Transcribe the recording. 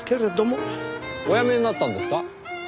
お辞めになったんですか？